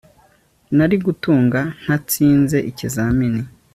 Nari gutunga ntatsinze ikizamini